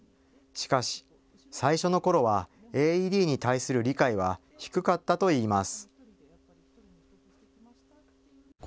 しかし、最初のころはＡＥＤに対する理解は低かったといいます。